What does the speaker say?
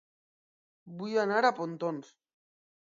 Vull anar a Pontons